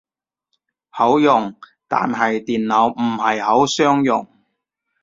好用，但係電腦唔係好相容